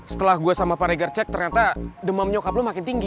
setelah gue sama pak reger cek ternyata demam nyokap lo makin tinggi